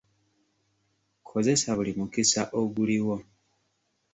Kozesa buli mukisa oguliwo.